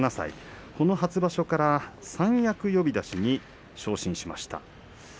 この初場所から三役呼出しに昇進しました。